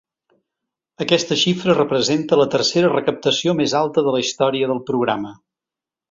Aquesta xifra representa la tercera recaptació més alta de la història del programa.